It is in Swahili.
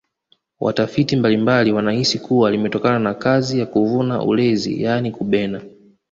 watafiti mbalimbali wanahisi kuwa limetokana na kazi ya kuvuna ulezi yaani kubena